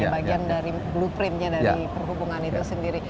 bagian dari blueprint nya dari perhubungan itu sendiri